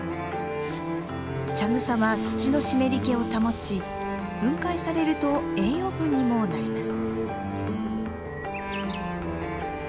茶草は土の湿り気を保ち分解されると栄養分にもなります。